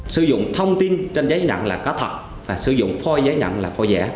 sử dụng thông tin trên giấy nhận là có thật và sử dụng phôi giấy nhận là phôi giả